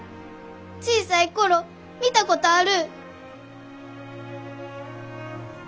小さい頃見たことある！